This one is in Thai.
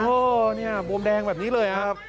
โฮอันนี้บวมแดงแบบนี้เลย